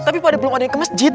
tapi belum ada yang ke masjid